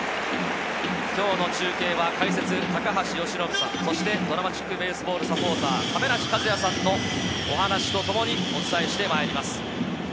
今日の中継は解説・高橋由伸さん、そしてＤＲＡＭＡＴＩＣＢＡＳＥＢＡＬＬサポーター・亀梨和也さんのお話とともにお伝えしてまいります。